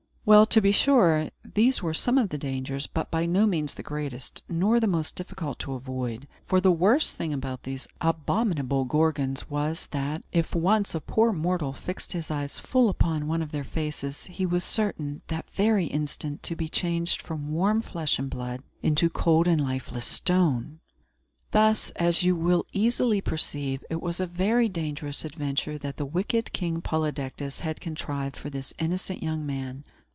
Well, to be sure, these were some of the dangers, but by no means the greatest, nor the most difficult to avoid. For the worst thing about these abominable Gorgons was, that, if once a poor mortal fixed his eyes full upon one of their faces, he was certain, that very instant, to be changed from warm flesh and blood into cold and lifeless stone! Thus, as you will easily perceive, it was a very dangerous adventure that the wicked King Polydectes had contrived for this innocent young man.